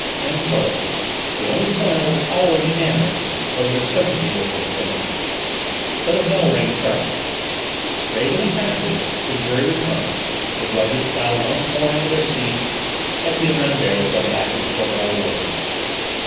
And so on: the only point on which all were unanimous was their sympathy with the defendant. But a bell rang sharply; grave and impassive, the jury returned, the judges filed once more into their seats, Etienne Rambert was led back into court by the warders.